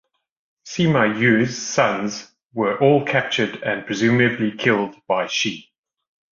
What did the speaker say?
Sima Yue's sons were all captured and presumably killed by Shi.